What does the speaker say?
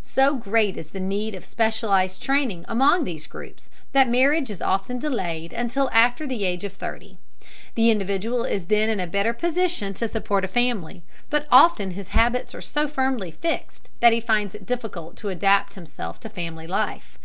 So great is the need of specialized training among these groups that marriage is often delayed until after the age of thirty. The individual is then in a better position to support a family, but often his habits are so firmly fixed that he finds it difficult to adapt himself to family life.